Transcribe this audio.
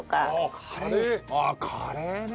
あっカレーね。